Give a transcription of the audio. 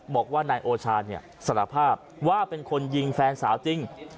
บอกว่านายโอชาสารภาพว่าเป็นคนยิงแฟนสาวจริง